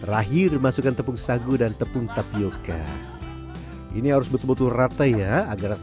terakhir masukkan tepung sagu dan tepung tapioca ini harus betul betul rata ya agar